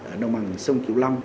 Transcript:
ở đồng bằng sông cửu long